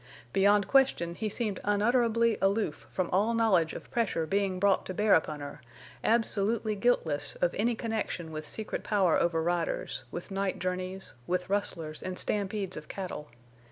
Beyond question he seemed unutterably aloof from all knowledge of pressure being brought to bear upon her, absolutely guiltless of any connection with secret power over riders, with night journeys, with rustlers and stampedes of cattle.